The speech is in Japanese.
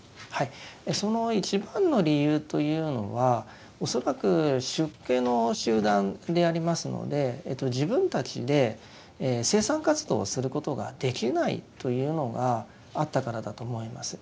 その一番の理由というのは恐らく出家の集団でありますので自分たちでというのがあったからだと思います。